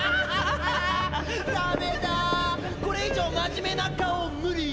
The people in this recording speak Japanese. ダメダァーこれ以上真面目な顔無理ぃ！